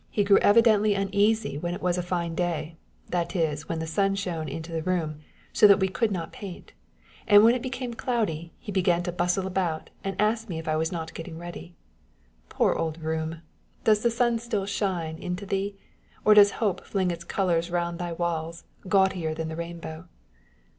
grew evidently uneasy when it was a fine day, tliat is, when the sun shone into the room, so that we could not paint ; and when it became cloudy, began to bustle about, and ask me if I was not getting ready. Poor old room ! Does the sun still shine into thee, or does Hope fling its colours round thy walls, gaudier than the rainbow